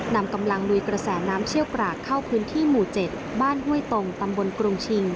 นำกำลังลุยกระแสน้ำเชี่ยวกรากเข้าพื้นที่หมู่๗บ้านห้วยตรงตำบลกรุงชิง